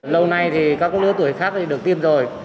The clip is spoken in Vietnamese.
lâu nay thì các lớp tuổi khác đã được tiêm rồi